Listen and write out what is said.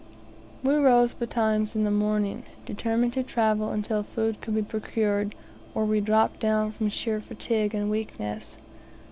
We rose betimes in the morning, determined to travel on until food could be procured, or we dropped down from sheer fatigue and weakness.